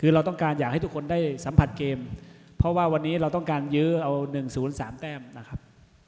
เราก็อยากให้ทุกคนได้สัมผัสเกมเพราะว่าเราต้องการยื้อเอา๑ศูนย์๓แต้มนะครับ